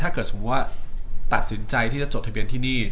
สมมุติว่าตัดสินใจที่จะจดทะเบียนที่นี่